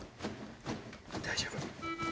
大丈夫。